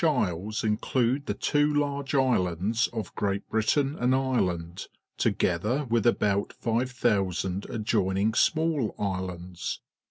^ Isle s include the two large islands of Great Britain and Ireland, together with about 5,000 adjoining small islands.